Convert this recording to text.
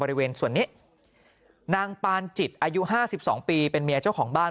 บริเวณส่วนนี้นางปานจิตอายุ๕๒ปีเป็นเมียเจ้าของบ้าน